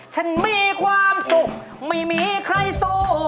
ฉันมีความสุขไม่มีใครสู้